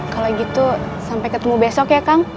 kalau gitu sampai ketemu lagi